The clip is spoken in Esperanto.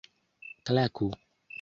klaku